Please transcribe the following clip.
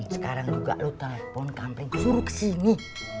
sekarang juga kamu telepon kampleng suruh ke sini